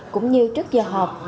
cũng như trước giờ họp